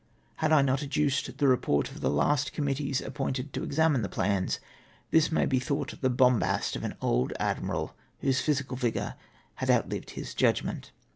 Had I not adduced the report of the last com mittees appointed to examine the plans, this might be thought the btombast of an old admiral whose physical vigour had outhved his judgment.